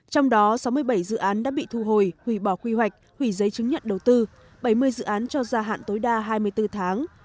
trong đó sáu mươi bảy dự án đã bị thu hồi hủy bỏ quy hoạch hủy giấy chứng nhận đầu tư bảy mươi dự án cho gia hạn tối đa hai mươi bốn tháng